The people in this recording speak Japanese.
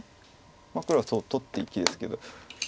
黒は取って生きですけど。